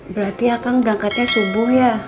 berarti akang berangkatnya subuh ya